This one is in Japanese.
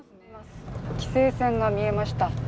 規制線が見えました。